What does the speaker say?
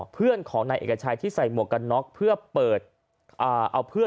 เพื่อนของนายเอกชัยที่ใส่หมวกกันน็อกเพื่อเปิดเอาเพื่อน